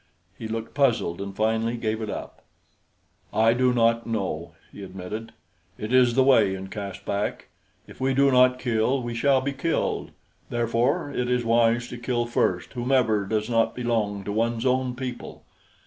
He looked puzzled and finally gave it up. "I do not know," he admitted. "It is the way in Caspak. If we do not kill, we shall be killed, therefore it is wise to kill first whomever does not belong to one's own people.